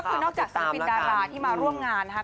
ก็คือนอกจากสินปิดดาราที่มาร่วมงานนะคะ